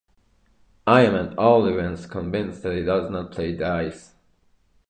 I am at all events convinced that He does not play dice